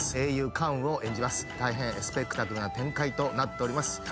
英雄・関羽を演じます大変スペクタクルな展開となっております